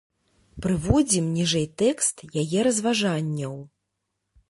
Прыводзім ніжэй тэкст яе разважанняў.